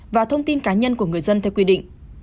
và thông tin cá nhân của người dân theo quy định